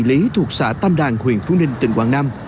từ tỉnh quảng nam đến phục xã tam đàn huyện phú ninh tỉnh quảng nam